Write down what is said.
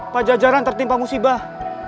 pajajaran tertimpa musibah